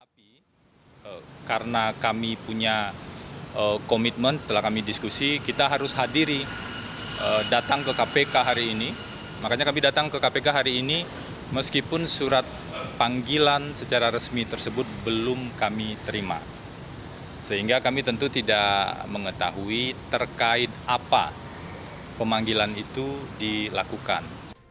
berita terkini mengenai cuaca ekstrem dua ribu dua puluh satu di kementerian pertanian